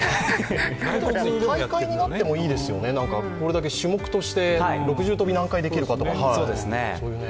大会になってもいいですよね、これだけ種目として６重跳び何回できるかとか。